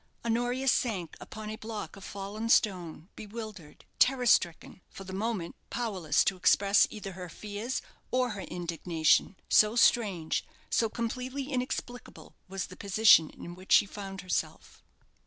Honoria sank upon a block of fallen stone, bewildered, terror stricken, for the moment powerless to express either her fears or her indignation, so strange, so completely inexplicable was the position in which she found herself.